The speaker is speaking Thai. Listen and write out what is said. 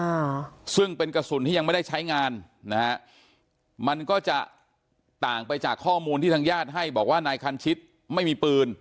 อ่าซึ่งเป็นกระสุนที่ยังไม่ได้ใช้งานนะฮะมันก็จะต่างไปจากข้อมูลที่ทางญาติให้บอกว่านายคันชิตไม่มีปืน